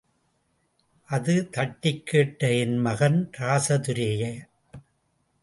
அத தட்டிக்கேட்ட என் மகன் ராசதுரைய.